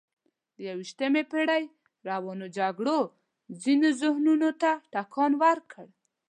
د یویشتمې پېړۍ روانو جګړو ځینو ذهنونو ته ټکان ورکړ.